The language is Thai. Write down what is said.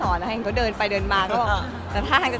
อั้มไม่เข้าใจเลยว่าจะเล่นยังไง